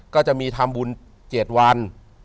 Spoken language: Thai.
ก็จะมีธรรมบุญ๗วัน